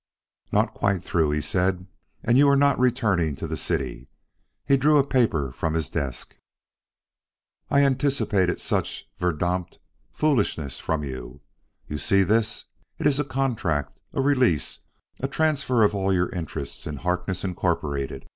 "Not quite through," he said; "and you are not returning to the city." He drew a paper from his desk. "I anticipated some such verdammpt foolishness from you. You see this? It is a contract; a release, a transfer of all your interests in Harkness, Incorporated.